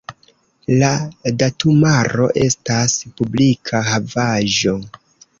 La datumaro estas publika havaĵo.